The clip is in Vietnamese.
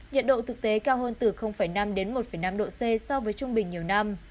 nhiệt độ thực tế cao hơn từ năm đến một năm độ c so với trung bình nhiều năm